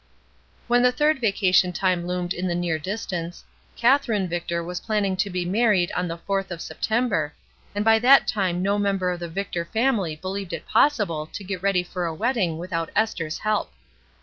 When the third vacation time loomed in the near distance, Katherine Victor was planning to 284 ESTER RIED'S NAMESAKE be married on the fourth of September, and by that time no member of the Victor family be lieved it possible to get ready for a wedding without Esther's help.